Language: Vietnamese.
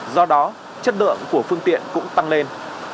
do đó chất lượng của phương tiện cũng tăng lên